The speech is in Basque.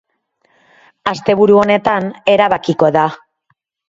Asteburu honetan erabakiko da.